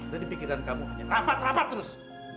dan di pikiran kamu hanya rapat rapat terus